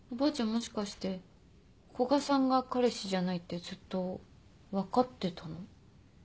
もしかして古賀さんが彼氏じゃないってずっと分かってたの？